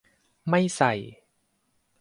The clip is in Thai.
ไม่ใส่